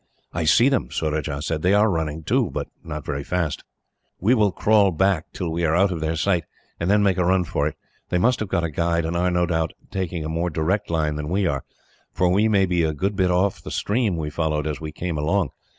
"I see them," Surajah said. "They are running, too, but not very fast." "We will crawl back, till we are out of their sight, and then make a run for it. They must have got a guide, and are, no doubt, taking a more direct line than we are, for we may be a good bit off the stream we followed as we came along.